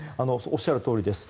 おっしゃるとおりです。